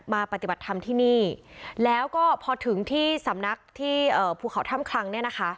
ปฏิบัติธรรมที่นี่แล้วก็พอถึงที่สำนักที่ภูเขาถ้ำคลังเนี่ยนะคะ